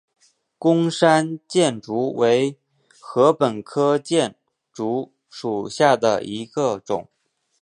贡山箭竹为禾本科箭竹属下的一个种。